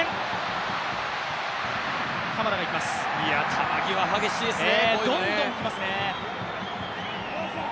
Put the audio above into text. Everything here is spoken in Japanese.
球際、激しいですね。